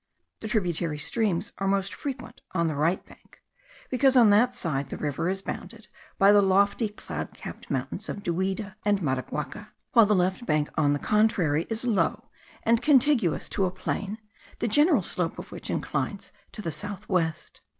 The tributary streams are most frequent on the right bank, because on that side the river is bounded by the lofty cloud capped mountains of Duida and Maraguaca, while the left bank on the contrary is low and contiguous to a plain, the general slope of which inclines to the south west.